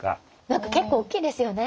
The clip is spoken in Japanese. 何か結構おっきいですよね。